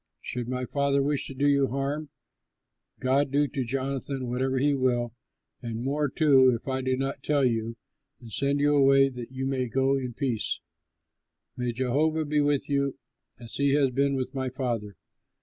Should my father wish to do you harm, God do to Jonathan whatever he will and more too if I do not tell you and send you away that you may go in peace. May Jehovah be with you, as he has been with my father.